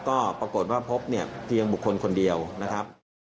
ก็ปรากฏว่าพบเนี่ยเพียงบุคคลคนเดียวนะครับ